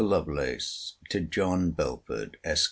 LOVELACE, TO JOHN BELFORD, ESQ.